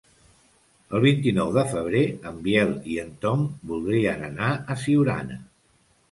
El vint-i-nou de febrer en Biel i en Tom voldrien anar a Siurana.